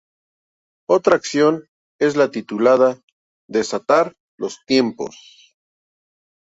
Otra acción es la titulada ""Desatar los tiempo"s".